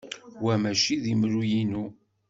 Wa maci d imru-inu.